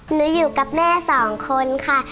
หนูอยู่กับแม่๒คนค่ะ